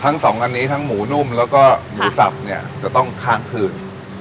สองอันนี้ทั้งหมูนุ่มแล้วก็หมูสับเนี่ยจะต้องข้ามคืน